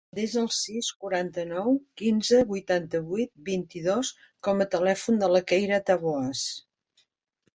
Desa el sis, quaranta-nou, quinze, vuitanta-vuit, vint-i-dos com a telèfon de la Keira Taboas.